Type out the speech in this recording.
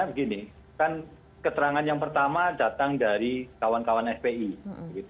begini kan keterangan yang pertama datang dari kawan kawan fpi